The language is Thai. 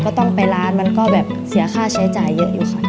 ก็ต้องไปร้านมันก็แบบเสียค่าใช้จ่ายเยอะอยู่ค่ะ